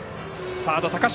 サード高嶋。